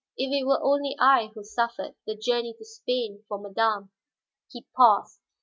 If it were only I who suffered. The journey to Spain, for madame " He paused.